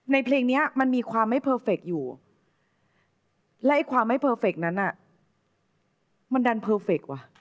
เพลงนี้มันมีความไม่เพอร์เฟคอยู่และความไม่เพอร์เฟคนั้นน่ะมันดันเพอร์เฟคว่ะ